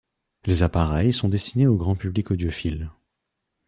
Les appareils sont destinés au grand public audiophile.